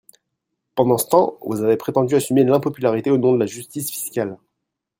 Pendant ce temps, vous avez prétendu assumer l’impopularité au nom de la justice fiscale.